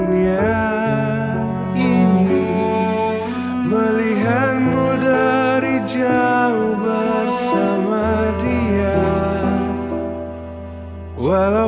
kau mau berjalan ke mana